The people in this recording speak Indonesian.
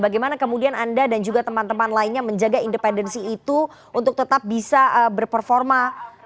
bagaimana kemudian anda dan juga teman teman lainnya menjaga independensi itu untuk tetap bisa berperforma